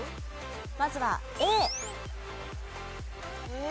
まずはＡ。